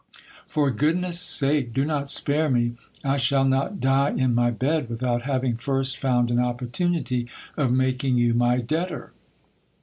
For goodness' sake, do not spare me ; I shall not die in my bed without having first found an opportunity of making you my debtor.